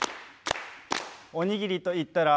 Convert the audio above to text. おにぎりと言ったら。